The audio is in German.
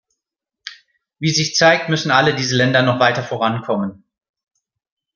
Wie sich zeigt, müssen alle diese Länder noch weiter vorankommen.